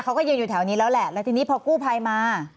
เขาก็ยืนอยู่แถวนี้แล้วแหละแล้วทีนี้พอกู้ภัยมา